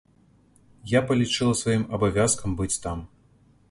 Я палічыла сваім абавязкам быць там.